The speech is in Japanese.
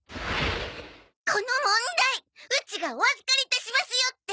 この問題ウチがお預かりいたしますよって。